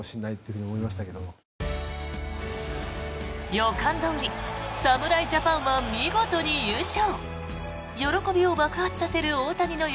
予感どおり侍ジャパンは見事に優勝。